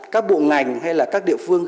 các bộ ngành hay là các địa phương